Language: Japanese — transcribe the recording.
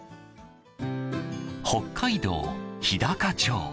北海道日高町。